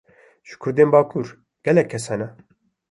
Ji Kurdên bakur, gelek kes hene